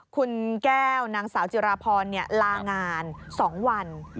คุณแก้วนางสาวจิราพรลางาน๒วัน